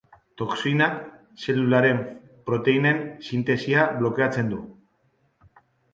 Toxinak zelularen proteinen sintesia blokeatzen du.